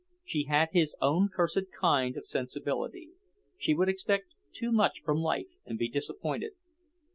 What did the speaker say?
She had his own cursed kind of sensibility; she would expect too much from life and be disappointed.